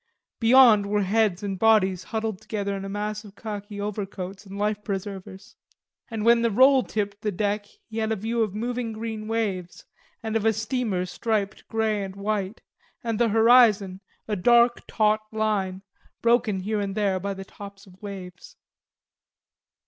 Beyond were heads and bodies huddled together in a mass of khaki overcoats and life preservers. And when the roll tipped the deck he had a view of moving green waves and of a steamer striped grey and white, and the horizon, a dark taut line, broken here and there by the tops of waves.